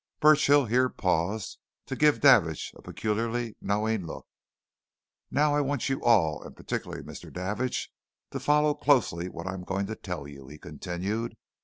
Burchill here paused to give Davidge a peculiarly knowing look. "Now I want you all and particularly Mr. Davidge to follow closely what I'm going to tell you," he continued.